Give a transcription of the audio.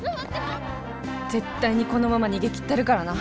絶対にこのまま逃げきったるからな